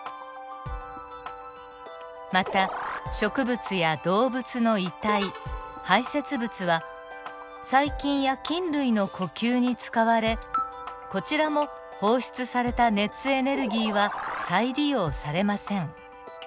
また植物や動物の遺体排泄物は細菌や菌類の呼吸に使われこちらも放出された熱エネルギーは再利用されません。